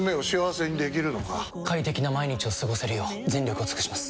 快適な毎日を過ごせるよう全力を尽くします！